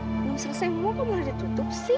pak kalau saya mau kok boleh ditutup sih